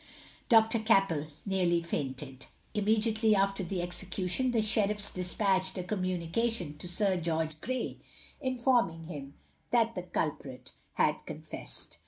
Dr. Cappell nearly fainted. Immediately after the execution the sheriffs despatched a communication to Sir George Grey, informing him that the culprit had confessed.